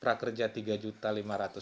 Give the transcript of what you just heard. mereka saat ini tidak memikirkan untuk pelatihan